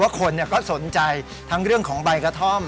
คนก็สนใจทั้งเรื่องของใบกระท่อม